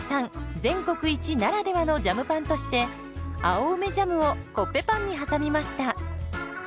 全国一ならではのジャムパンとして青梅ジャムをコッペパンに挟みました。